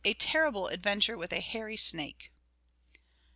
_Terrible Adventure with a hairy Snake.